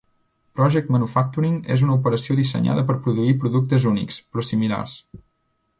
Project Manufacturing és una operació dissenyada per produir productes únics, però similars.